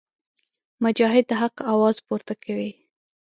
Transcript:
مجاهد د حق اواز پورته کوي.